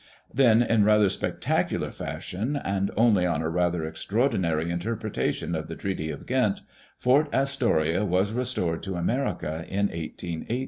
Then, in rather spectacular fashion, and only on a rather extraordinary interpretation of the Treaty of Ghent, Fort Astoria was restored to America in 181 8.